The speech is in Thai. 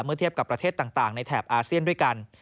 เทียบกับประเทศต่างในแถบอาเซียนด้วยกัน